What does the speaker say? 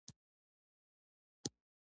سیلاني ځایونه د افغانستان د ملي هویت نښه ده.